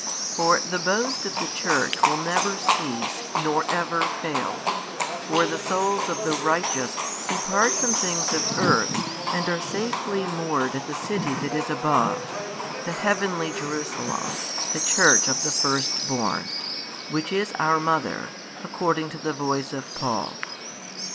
For the boast of the Church will never cease nor ever fail, for the souls of the righteous depart from things of earth and are safely moored at the city that is above, the heavenly Jerusalem the church of the firstborn, which is our mother, according to the voice of Paul.